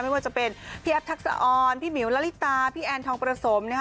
ไม่ว่าจะเป็นพี่แอฟทักษะออนพี่หมิวละลิตาพี่แอนทองประสมนะคะ